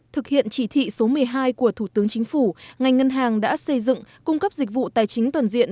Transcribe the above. thực hiện chỉ thị số một mươi hai của thủ tướng chính phủ ngành ngân hàng đã xây dựng cung cấp dịch vụ tài chính toàn diện